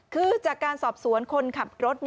คือจากการสอบสวนคนขับรถ